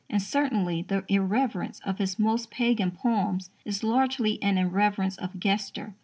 And, certainly, the irreverence of his most pagan poems is largely an irreverence of gesture.